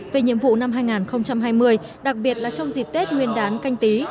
về nhiệm vụ năm hai nghìn hai mươi đặc biệt là trong dịp tết nguyên đán canh tí